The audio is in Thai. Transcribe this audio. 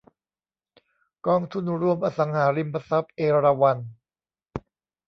กองทุนรวมอสังหาริมทรัพย์เอราวัณ